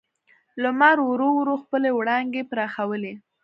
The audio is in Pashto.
لمر ورو ورو خپلې وړانګې پراخولې.